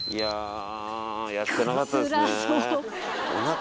やってなかったですね。